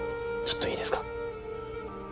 ちょっといいですか？